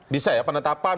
bisa ya penetapan